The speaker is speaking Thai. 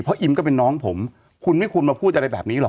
เพราะอิมก็เป็นน้องผมคุณไม่ควรมาพูดอะไรแบบนี้หรอก